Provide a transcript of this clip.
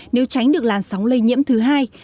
nếu tránh được làn sóng lây nhiễm thứ hai